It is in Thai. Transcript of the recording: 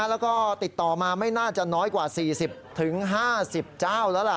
แล้วก็ติดต่อมาไม่น่าจะน้อยกว่า๔๐๕๐เจ้าแล้วล่ะ